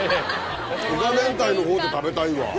イカ明太のほうで食べたいわ。